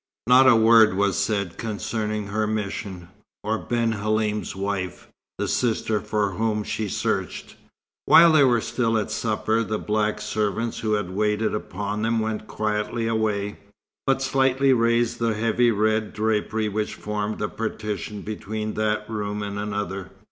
Not a word was said concerning her mission, or Ben Halim's wife, the sister for whom she searched. While they were still at supper, the black servants who had waited upon them went quietly away, but slightly raised the heavy red drapery which formed the partition between that room and another.